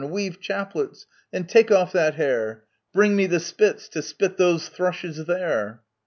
Weave chaplets ! and take off that hare ! Bring me the spits to spit those thrushes there